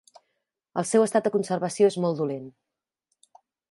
El seu estat de conservació és molt dolent.